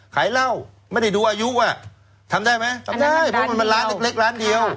ขายเหล้าไม่ได้ดูอายุอ่ะทำได้ไหมทำได้เพราะมันร้านเล็กร้านเดียว